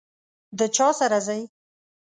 د چا سره ځئ؟